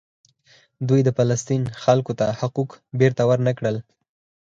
دوی د فلسطین خلکو ته حقوق بیرته ورنکړل.